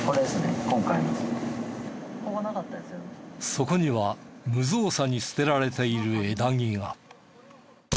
そこには無造作に捨てられている枝木が。